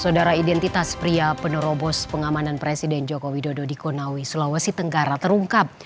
saudara identitas pria penerobos pengamanan presiden joko widodo di konawe sulawesi tenggara terungkap